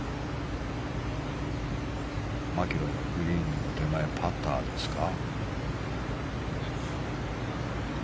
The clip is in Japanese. マキロイはグリーンの手前パターですか。